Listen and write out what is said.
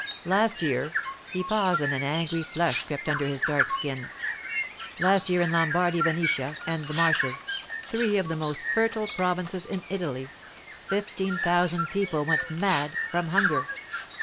'Last year—' he paused and an angry flush crept under his dark skin—'last year in Lombardy, Venetia, and the Marches—three of the most fertile provinces in Italy—fifteen thousand people went mad from hunger.